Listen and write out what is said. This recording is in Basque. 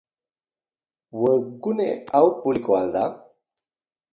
Webgune hau publikoa al da?